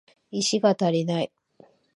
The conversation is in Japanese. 石が足りない